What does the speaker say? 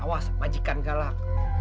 awas majikan galak